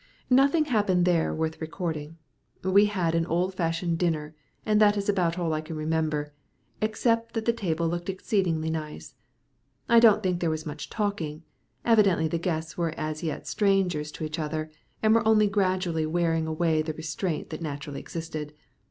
Nothing happened there worth recording. We had an old fashioned English dinner, and that is about all I can remember, except that the table looked exceedingly nice. I don't think there was much talking; evidently the guests were as yet strangers to each other, and were only gradually wearing away the restraint that naturally existed.